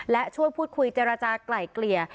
และช่วยพูดคุยเจรจากลายเกลี่ย